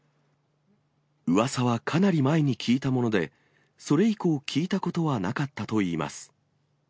うわさはかなり前に聞いたもので、それ以降、聞いたことはなかったといいます。